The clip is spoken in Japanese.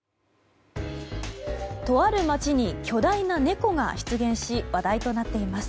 とある町に巨大な猫が出現し話題となっています。